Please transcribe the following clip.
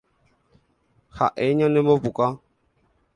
Ha'e ñanembopuka